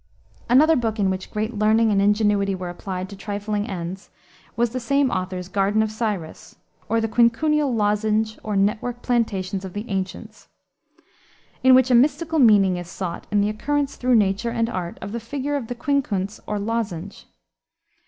Another book in which great learning and ingenuity were applied to trifling ends, was the same author's Garden of Cyrus; or, the Quincuncial Lozenge or Network Plantations of the Ancients, in which a mystical meaning is sought in the occurrence throughout nature and art of the figure of the quincunx or lozenge.